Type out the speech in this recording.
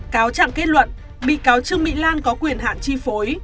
cáo trạng kết luận bị cáo trương mỹ lan có quyền hạn chi phối